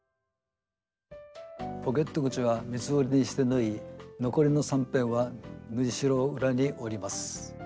ポケット口は三つ折りにして縫い残りの三辺は縫いしろを裏に折ります。